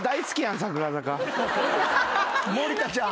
森田ちゃん。